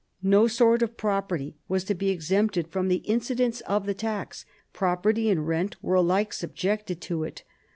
No sort of property was to be exempted from the incidence of the tax ; property and rent were alike subjected to* it.